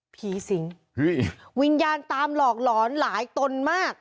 ผีสิงวิญญาณตามหลอกหลอนหลายตนมาก